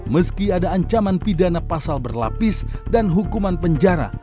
meski ada ancaman pidana pasal berlapis dan hukuman penjara